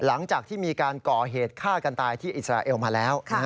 หลังจากที่มีการก่อเหตุฆ่ากันตายที่อิสราเอลมาแล้ว